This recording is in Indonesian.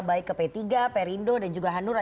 baik ke p tiga perindo dan juga hanura